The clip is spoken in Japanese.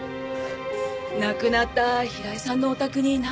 亡くなった平井さんのお宅に何度か。